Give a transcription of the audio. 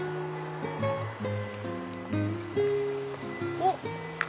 おっ！